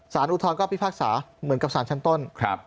สารอุทธรณก็พี่ภาคสาห์เหมือนกับสารชั้นต้น